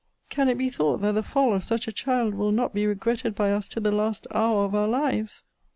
Can it be thought that the fall of such a child will not be regretted by us to the last hour of our lives?